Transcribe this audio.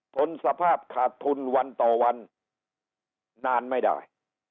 ทนสภาพขาดทุนวันต่อวันนานไม่ได้